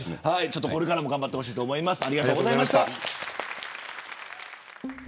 これからも頑張ってほしいと思います。